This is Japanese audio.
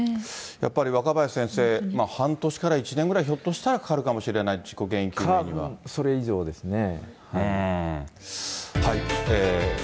やっぱり若林先生、半年から１年ぐらい、ひょっとしたらかかるかもしれない、事故原因究明には。か、それ以上ですね。